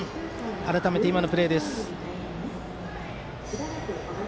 改めて今のプレーです。